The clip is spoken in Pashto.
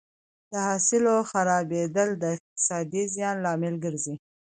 د حاصل خرابېدل د اقتصادي زیان لامل ګرځي.